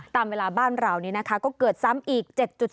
ตามเวลาบ้านราวนี้ก็เกิดซ้ำอีก๗๓